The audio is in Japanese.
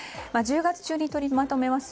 １０月中に取りまとめます